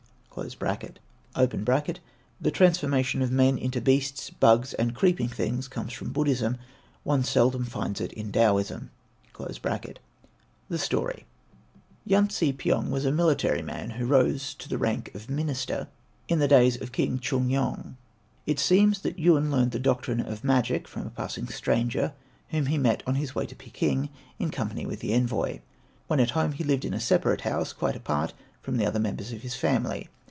S. G.] [The transformation of men into beasts, bugs and creeping things comes from Buddhism; one seldom finds it in Taoism.] The Story Yun Se Pyong was a military man who rose to the rank of minister in the days of King Choong jong. It seems that Yun learned the doctrine of magic from a passing stranger, whom he met on his way to Peking in company with the envoy. When at home he lived in a separate house, quite apart from the other members of his family.